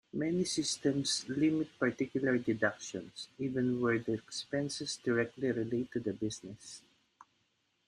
Many systems limit particular deductions, even where the expenses directly relate to the business.